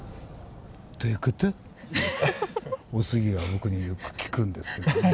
おすぎが僕によく聞くんですけどね。